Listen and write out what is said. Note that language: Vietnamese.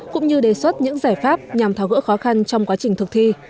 cũng như đề xuất những giải pháp nhằm tháo gỡ khó khăn trong quá trình thực thi